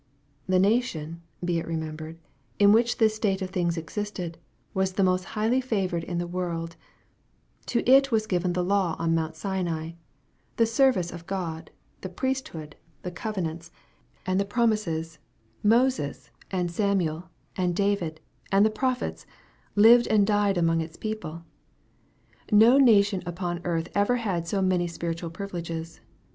The nation, be it remembered, in which this state of thi Qgs existed, was the most highly favored in the world To it was given the law on Mount Sinai, the service of God, the priesthood, the covenants, and the promises MARK, CHAP. VII. 135 Moses, and Samuel, and David, and the prophets, lived and died among its people. No nation upon earth ever had so many spiritual privileges.